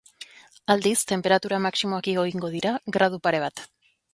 Aldiz, tenperatura maximoak igo egingo dira gradu pare bat.